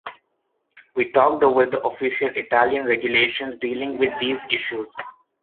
We talked over the official Italian regulations dealing with these issues